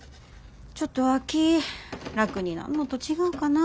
ちょっとは気ぃ楽になんのと違うかな。